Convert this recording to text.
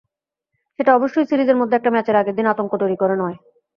সেটা অবশ্যই সিরিজের মধ্যে একটা ম্যাচের আগের দিন আতঙ্ক তৈরি করে নয়।